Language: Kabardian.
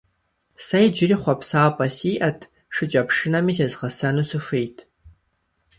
Сэ иджыри хъуапсапӀэ сиӀэт, шыкӀэпшынэми зезгъэсэну сыхуейт.